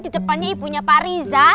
di depannya ibunya pak riza